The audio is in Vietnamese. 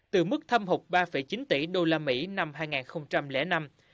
từ mức thâm hụt ba chín tỷ đô la mỹ năm hai nghìn năm